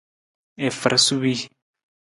I far suwii.